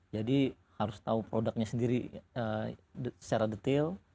jadi harus tahu produknya sendiri secara detail